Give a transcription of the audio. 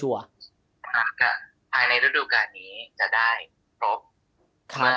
ภายในฤดูกาลนี้จะได้ครบ